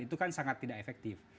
itu kan sangat tidak efektif